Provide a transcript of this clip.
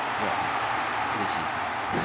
うれしいですね。